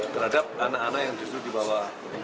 terhadap anak anak yang justru dibawa